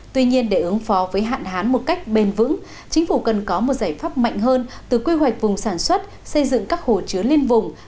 tuy nhiên để ứng phó với hạn hán một cách bền vững chính phủ cần có một giải pháp mạnh hơn từ quy hoạch vùng sản xuất xây dựng các hồ chứa liên vùng